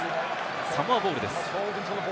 サモアボールです。